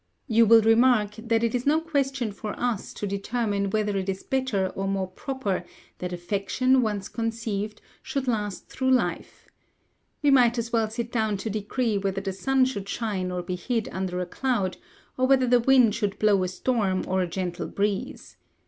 You will remark, that it is no question for us to determine whether it is better or more proper that affection, once conceived, should last through life. We might as well sit down to decree whether the sun should shine or be hid under a cloud, or whether the wind should blow a storm or a gentle breeze.